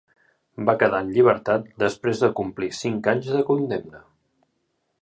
Va quedar en llibertat després de complir cinc anys de condemna.